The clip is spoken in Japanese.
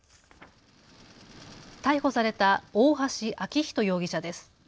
逮捕された大橋昭仁容疑者です。